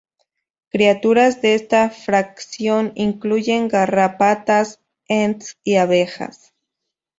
Criaturas de esta fracción incluyen garrapatas, ents y abejas.